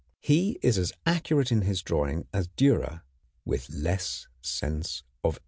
He is as accurate in his drawing as Dürer, with less sense of effort.